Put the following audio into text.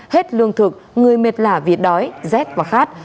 hết lương thực người mệt lả vì đói rét và khát